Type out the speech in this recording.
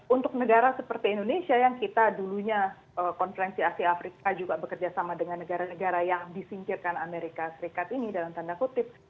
untuk negara seperti indonesia yang kita dulunya konferensi asia afrika juga bekerja sama dengan negara negara yang disingkirkan amerika serikat ini dalam tanda kutip